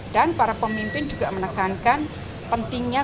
dan para pemimpin juga menekankan pentingnya